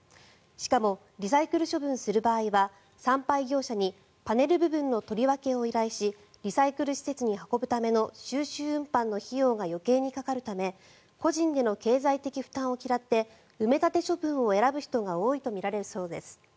しかもリサイクル処分する場合は産廃業者にパネル部分の取り分けを依頼しリサイクル施設に運ぶための収集運搬の費用が余計にかかるため個人での経済的負担を嫌って埋め立て処分を選ぶ人が多いとみられるそうです。